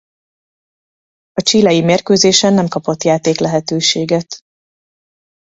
A chilei mérkőzésen nem kapott játéklehetőséget.